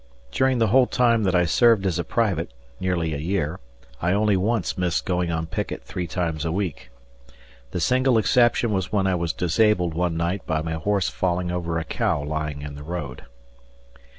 During the whole time that I served as a private nearly a year I only once missed going on picket three times a week. The single exception was when I was disabled one night by my horse falling over a cow lying in the road.